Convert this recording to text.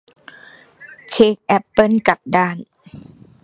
เค้กแอปเปิ้ลกลับด้าน